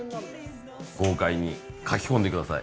豪快に、かき込んでください。